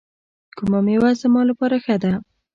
کومه میوه زما لپاره ښه ده؟